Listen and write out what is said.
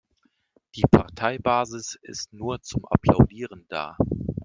Die Parteibasis ist nur zum Applaudieren da.